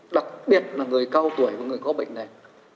đặc biệt là người cao tuổi và người có bệnh này